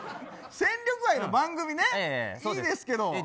戦力外の番組ね、いいですけど。